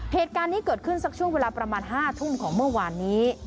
เหตุการณ์นี้เกิดขึ้นสักช่วงเวลาประมาณ๕ทุ่มของเมื่อวานนี้